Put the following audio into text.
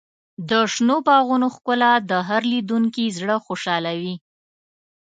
د شنو باغونو ښکلا د هر لیدونکي زړه خوشحالوي.